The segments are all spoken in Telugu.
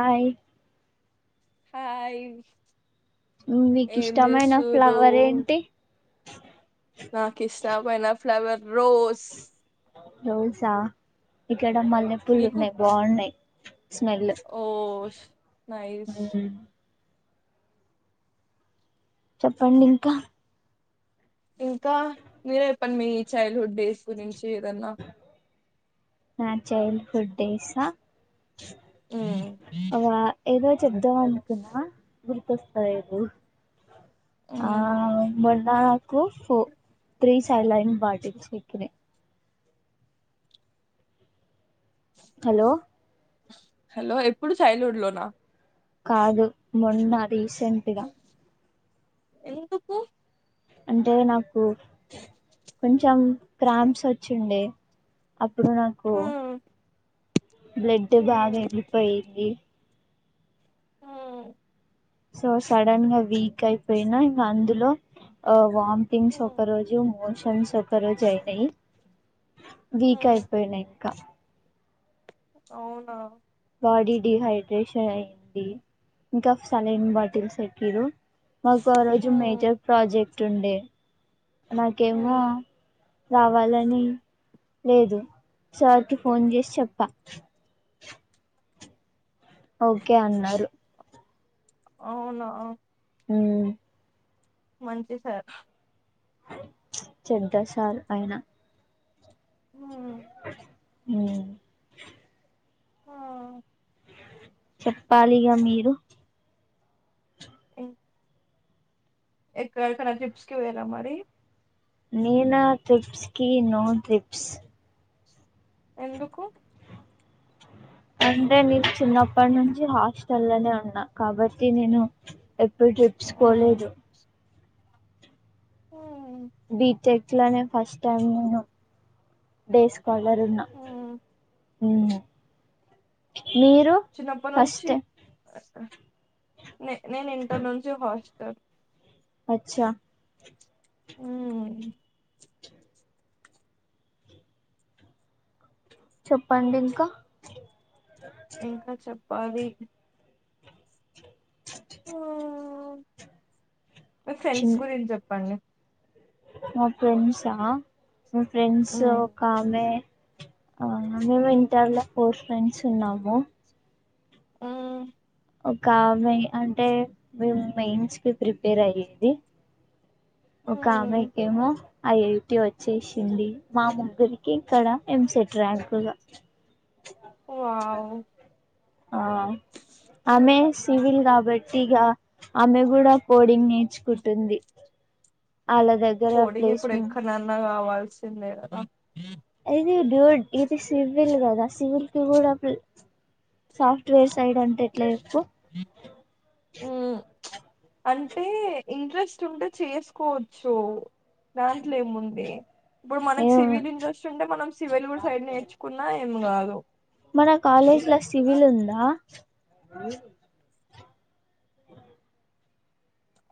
హాయ్ హా ఇ మీకు ఇష్టమైన ఫ్లవర్ ఏంటి నాకు ఇష్ట పైన ఫ్లవర్ రోజ్ రోస్ ఆ ఇక్కడ మల్లెపులు మీకు ఉన్నాయి బాగున్నాయి స్మెల్ ఓ నైస్ చెప్పండి ఇంకా ఇంకా మీరే చెప్పండి మీ చైల్డ్ హుడ్ డేస్ గురించి ఏదన్న నా చైల్డ్ హుడ్ డేసా మ్మ్ అ ఏదో చెప్దాం అనుకున్నా గుర్తొస్తలేదు ఆ మ్మ్ మ నాకు ఫ త్రీ సైల్డ్లన్ బాటిల్స్ ఎకినయి హలో హలో ఎప్పుడు చైల్డ్వుడ్ లోనా కాదు మొన్న రీసెంట్గా ఎందుకు అంటే నాక్ కొంచెం క్రామ్స్ వచ్చిండే అప్ ప్పుడునాకు మ్మ్ బ్లడ్ బాగా మ్మ్ వెళ్ళిపోయింది హ్మ్ సో సడన్ గా వీక్ అయిపోయినా ఇంకా అందులో ఆ వాంథింగ్స్ మ్మ్ ఒకరోజు మోష్ స్ ఒక రజు ఆయిన్ అయిి వీక్ మ్మ్ అయిపోయినా ఇంకా [unintelligible] అవునా బాడీ డీహైడ్రేషన్ అయ్యింది ఇంకా సెలైన్ బాటిల్స్ ఎకిరు మాకు ఆ రోజు మ్మ్ మేజర్ ప్రాజెక్ట్ రం [unintelligible] నాకేమో మ్మ్ రావాలని లేదు సార్కి ఫోన్ చేసి చెప్పా ఓకే అన్నారు అవునా హ్మ్ మంచి సార్ చెడ్డ సార్ ఆయన మ్మ్ హ్మ్ ఆ చెప్పాలిగా మీరు అ [unintelligible] ఎక్కడక్కనా ట్రిప్స్కి పోయినర మరి [unintelligible] నేనా ట్రిప్స్ కి నో ట్రిప్స్ ఎందుకు అంటే నేను చిన్నప్పటి నుంచి హాస్టల్ లోనే ఉన్నా కాబట్టి నేను ఎప్పుడు ట్రిప్స్ హ్మ్ పోలేదు ఇంట్లోనే ఫస్ట్ టైం నేను డేస్ వలను [unintelligible] మ్మ్ మీరు చిన్నప్పటి నుంచి ఫస్ట్ నే నేను ఇంటర్ నుంచి హాస్టల్ అచ్చా హ్మ్మ్ చెప్పండి ఇంకా ఇంకా చెప్ పది హ్మ్ ఫ్రెండ్స్ చిన్ గురించి చెప్పండి మా ఫ్రెండ్స్ ఆ మా ఫ్రెండ్స్ హ్మ్ ఒక ఆమె ఆ మేము ఇంటర్ లో ఫోర్ ఫ్రెండ్స్ ఉన్నాము హ్మ్ ఒక ఆమె అంటే మెయిన్స్ కి ప్రిపేర్ అయ్యేది హ్మ్ ఒకకామెకేమో ఐ ఐటి వచ్చేసింది మా ముగ్గురికి ఇక్కడ ఎంసెట్ ట్రాకుగా వావ్ ఆ అమె సివిల్ గ బర్టిగా అమె కూడా పో డింగ్ నేర్చుకుంటుంది వాళ్ళ దగ్గర కోడింగ్ ఇప్పుడు ప్లేస్మెంట్ ఎక్కనన్నా కావాల్సిందే కదా హ ఇది డ్యూడ్ ఇది సివిల్ కదా సివిల్ కి కూడా సాఫ్ట్వేర్స్ సైడ్ అంటే ఎట్లా చెప్పు హ్మ్ అంటే ఇంట్రెస్ట్ ఉంటే చేసుకోవచ్చు దాంట్లో ఏం ఉంది ఇప్పుడు మనకి సివిల్ ఇంట్రెస్ట్ ఉంటే మనం సివిల్ కూడా సైడ్ నేర్చుకున్నా ఏం కాదు ఆ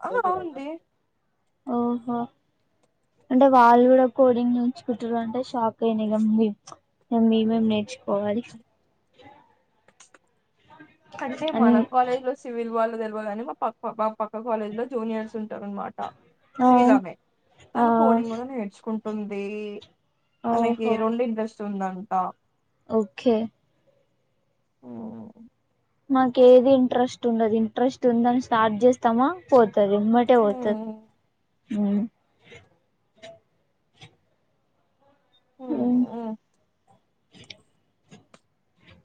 ఆ అవుంది ఓహో అంటే వాళ్ళు కూడా కోడింగ్ నేర్చుకుంటురు అంటే షాక్ అయినా ఇగ మేమేం నేర్చుకోవాలి అంటే అని మన కాలేజ్ లో సివిల్ వాళ్ళు తెల్వగానే మా పా పా కాలేజ్ లో జూనియర్స్ ఉంటారు అనమాట ఆ సివిల్ ఆమె ఆ తను కోడింగ్ కూడా నేర్చుకుం ఉంది తనకి ఓహో రెండు ఇంట్రెస్ట్ వస్తుందంట ఓకే ఓ మాకు ఏది ఇంట్రెస్ట్ ఉండదు ఇంట్రెస్ట్ ఉందని స్టార్ట్ చేస్తామా పోతది ఎమ్మటే పోతది ఉమ్, హ్మ్ ఉమ్, ఉం ఉమ్.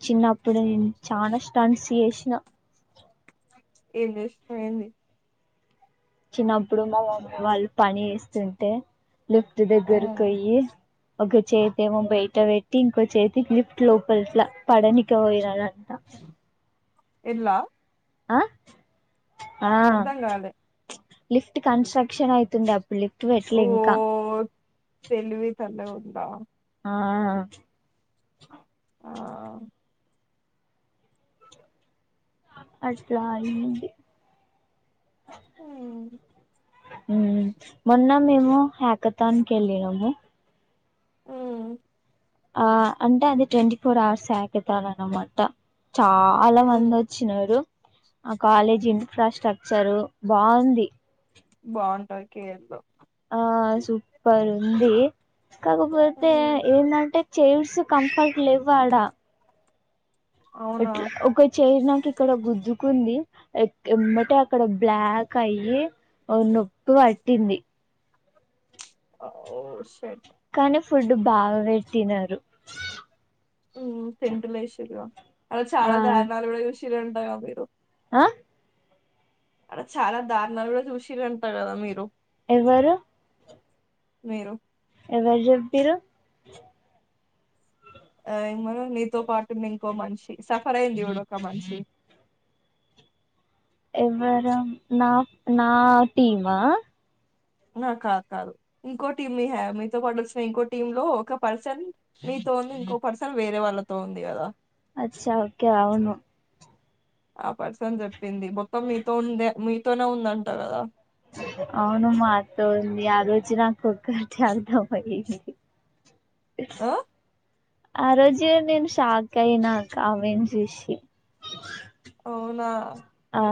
చిన్నప్పుడు నేను చాలా స్టంట్స్ చేసిన ఏంది ఎమైంది చిన్నప్పుడు మా మమ్మి వాళ్ళు పని చేస్తుంటే లిఫ్ట్ దగ్గరకి ఉమ్, పోయ్యి ఒక చేతి ఏమో బయట పెట్టి ఇంకో చేతిలిప్ లోపలట్లా పడని [unintelligible] అంట ఎల్లా ఆ ఆ అర్థం కాలే లిఫ్ట్ కన్స్ట్రక్షన్ ఐతుండే అప్ లిఫ్ట్ ఓ పెట్లే ఇంకా తెలివి సళ్ళగుండా ఆ ఆ అట్లా అయింది ఉం ఉం మొన్న మేము హ్యాకతానికి ఎళ్ళినము ఉం ఆ అంటే అది ట్వంటీ ఫోర్ అవర్స్ హ్యకతాన్ అన్నమాట చాలా ఉమ్. మంది వచ్చినారు ఆ కాలేజ్ ఇన్ఫ్రాస్ట్రక్చరు బాగుంది బాగుంటాయి కేర్లో ఆ సూపర్ ఉంది కాకపోతే ఏందంటే చేర్స్ కంఫర్ట్ లెవ్వాడా అవునా ఎట్లా ఒక చైర్ నాకి ఇక్కడ గుద్దు కుంది ఎంబటే అక్కడ బ్లాక్ అయ్యి ఓ నొప్పి పట్టింది ఓ షెట్ కానీ ఫుడ్ బాగా పెట్టినారు ఉం టెంటులేషిర్రు గా అడ ఆ చాలా దారునాలు కూడా చూసి శిర్రాంటగా మీరు అ అడ చాలా దారుణాలు కూడా చూసి అంట కదా మీరు ఎవరు మీరు ఎవరు చెప్పిడ్రు ఆ ఏమోరా నీతో పాటు మింకో మనిషి సఫర్ అయింది యూడు ఒక మనిషి ఎవర నా నా టీమా నా కాదు కాదు ఇంకో టీం మీ హ మీతో పాటు వచ్చిన ఇంకో టీమ్ లో ఒక పర్సన్ మీతో ఉంది ఇంకో పర్సన్ వేరే వాళ్ళతో ఉంది కదా అచ్చా ఓకే అవును ఆ పర్సన్ చెప్పింది బొక్క మీతో ఉందే మీతోనే ఉందంట కదా అవును మాతో వుంది ఆ రోజ నా కొక్కటి అర్థమైంది ఆ ఆ రోజు నేను షాక్ అయినాకమెన్ చూసి అవునా ఆ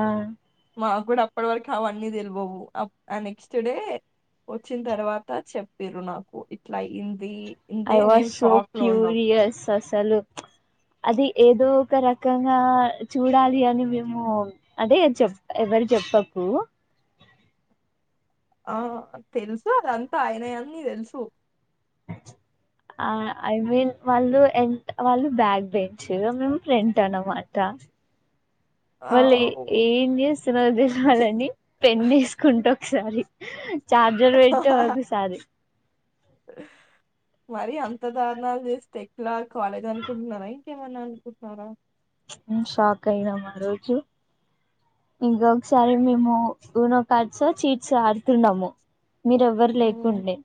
మా కూడా అప్పటి వరకు అవన్నీ తెలివవు అప్ ఆ నెక్స్ట్ డే వచ్చిన తర్వాత చెపిడ్రు నాకు ఇట్లా అయింది అంటే ఐ మేము వాస్ సో షాక్ లో ఉన్నాం క్యూరియస్ అసలు అది ఏదో ఒక రక క్కంగా చూడాలి అని మేము అదే చెప్ప ఎవరు చెప్పకు ఆ తెలుసు అదంతా ఆయన అన్నీ తెలుసు ఆ ఐ మీన్ వాళ్ళు ఎ వాళ్ళు బ్యాగ్ బెంచరు మేము ఫ్రెట్ అన అన్నమాట ఆ వాళ్ళు ఎ ఏం చేస్తున ఛీ తెలవాలని పెన్నేసుకుంట ఒకసారి చార్జర్ పెట్టు ఒకసారి మరి అంత దారణాలు చేస్తే ఎట్లా కాలేదు అనుకుంటున్నారా ఇంకేమన్నా అనుకుంటున్నారా ప్చ్ మేం షాక్ అయినం ఆ రోజు ఇంకొకసారి హ్మ్ మేము గునం కట్సా చీట్స్ ఆడుతున్నాము మీరెవ్వరు హ్మ్ లేకుండే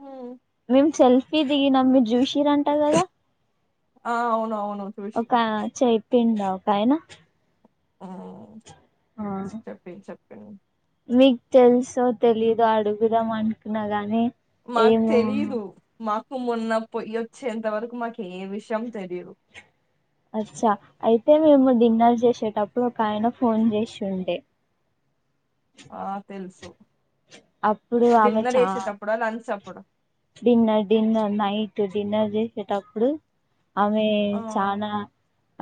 హ్మ్ మీమ్ సెల్ఫీ దిగి నమ్ మీ జ్యూష్ కిరంట కదా ఆ అవునవును చూసిన ఒకా చెప్ తిండా ఒకాయనా ఆ చెప్పిన్ చెప్ మీకు తెలుసో తెలీదు అడుగుదాం అనుకున్నా గాని మాక్ ఏమో తెలీదు మాక్ హు మొన్న పొయ్యి వచ్చేంత వరకు మాకు ఏం విషయం తెలిదు అచ్చా అయితే మేము డిన్నర్ చేసేటప్పుడు ఒక ఆయన ఫోన్ చేసి ఉండే ఆ తెలుసు అప్పుడు ఆమె చా కూడ డిన్నర్ డిన్నర్ నైట్ డిన్నర్ చేసేటప్పుడు అమె ఆ చనా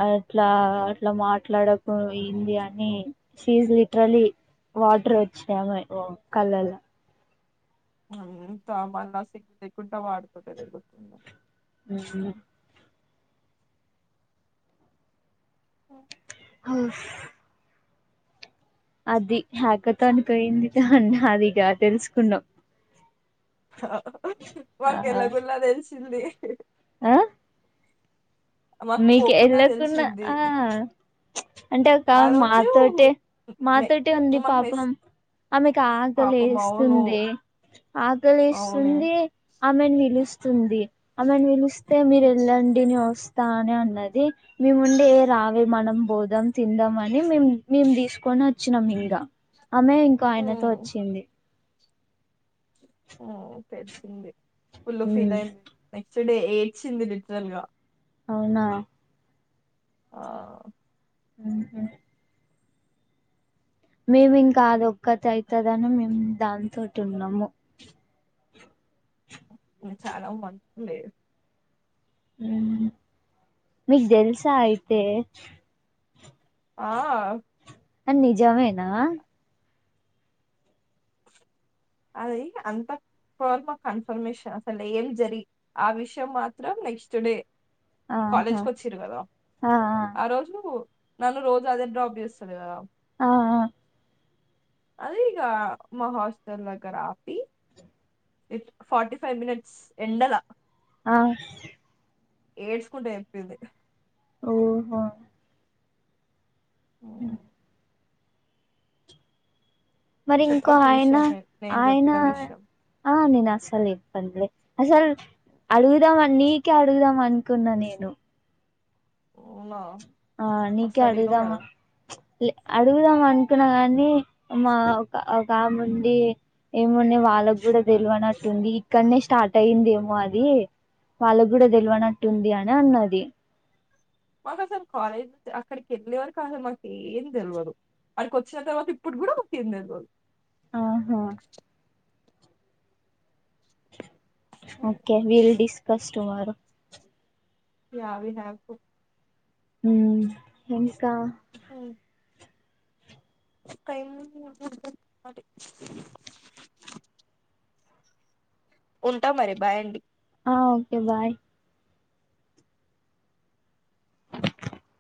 అట్లా అట్లా మాట్లాడకపోయింది అని చిజ్ లిటరలీ వాటర్ వచ్చాము కళలో నా సిగ్గు లేకుంట వాడుతు దగుతుంద హు ఓ [unintelligible] ఉఫ్ అది హ్యాక త అనిపోయింది అ అదిగా తెలుసుకున్నాం ఆ వాక ఎలా గుల్లాదన్ [unintelligible] ఆ మాకు మీకు పోకున్నా ఎళ్ళకున్నా తెలిసింది అంటే ఒక ఆ రోజు మాతోటే మె మాతోటే ఉంది మాకు పాపం మెస్ ఆమెకి ఆకలి పాపం అవును వేస్తుంది ఆకలి అవునే వేస్తుంది ఆమె పిలుస్తుంది అమెను పిలిస్తే మీరు ఉమ్, వెళ్ళండి నిను వస్త స్తానే అన్నది మేముండే ఏ రావే మనం బోదాం తిందాంమని మేం మేము తీసుకొని వచ్చినాం ఇంకా ఆమె ఇంకో ఆయనతో ఉమ్, వచ్చింది ఉ తెలిసింది ఫులు ఉమ్ ఫీల్యింది ఎస్టేడే ఏడ్చింది లిటరల్ గా అవునా ఆ [unintelligible] మేము ఇంకా అది ఒక్కతీ అయీతాది మేము దాని తోటి ఉన్నాము చాలా మంచింది మీగ్ తెలుసా అయితే ఎచ్ ఆ అ నిజమేనా అది అంత ప్రమా కన్ఫర్మేషన్ అసలు ఏం జరి ఆ విషయం మాత్రం నెక్స్ట్ డే ఆహా కాలేజ్కి వచిరు కదా ఆ ఆ రోజు నన్ను రోజు అదే డ్రాప్ చేస్తాది గదా ఆ ఆ అదే ఈక మహాస్ దగ్గర ఆపి ఇట్ ఫోార్టీ ఫైవ్ మనిట్స్ ఎండలా ఆ ఏడ్చుకుంటే చెప్పింది ఓహో హోమ్ ఉమ్, మ మరింకో చెప్పకు ఈ ఆయన విషయం నేను నేను ఆయన చెప్పిన విషయం ఆ నేనా సలు ఇబ్బంది లే అసల్ అడుగుదాం అని నీకే అడుగుదాం అనుకున్నా నేను ఊ నా ఆ నీకే అడుగుదామని లే అడుగుదాం అన్ క్కునా గాని మా ఒక ఓక ఆముంది ఏముండే వాళ్ళకు కూడా తెల్వనట్టుంది ఇక్కడనే స్టార్ట్ అయ్యుందేమో అది వాళ్ళకి కూడా తెల్వనట్టుంది అని అన్నది మాకు అసలు కాలేజీ [inaudible] అక్కడికెళ్ళే వరకు అసలు మాకు ఏం తెల్వదు అడికి వచ్చిన తర్వాత ఇప్పుడు కూడా మాకేం తెల్వదు ఆహా ఓకే విల్ డిస్కస్ టుమారో యావి హ్యాపో హ్మ్ థ్యాంక్స్ కా కైము [unintelligible] ఉంటా మరి బాయండి ఆ ఓకే బాయ్